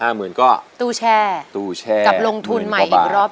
๕หมื่นก็ตู้แชร์กับลงทุนใหม่อีกรอบหนึ่ง